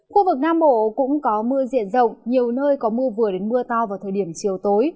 khu vực nam bộ cũng có mưa diện rộng nhiều nơi có mưa vừa đến mưa to vào thời điểm chiều tối